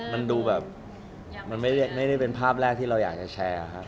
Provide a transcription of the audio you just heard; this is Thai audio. มันดูแบบมันไม่ได้เป็นภาพแรกที่เราอยากจะแชร์ครับ